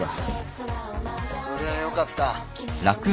そりゃよかった。